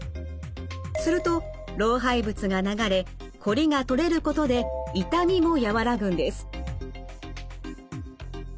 すると老廃物が流れこりが取れることで痛みも和らぐんです。